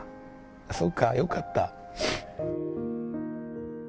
そうか、よかった。